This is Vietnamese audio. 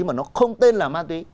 mà nó không tên là ma túy